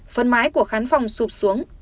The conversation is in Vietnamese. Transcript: phần mái của khán phòng sụp xuống